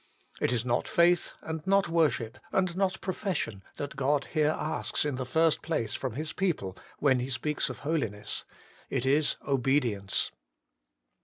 It is not faith, and not worship, and not profession, that God here asks in the first place from His people when He speaks of holiness ; it is obedience.